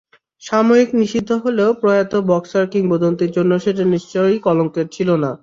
সাময়িক নিষিদ্ধ হলেও প্রয়াত বক্সার কিংবদন্তির জন্য সেটি নিশ্চয়ই কলঙ্কের ছিল না।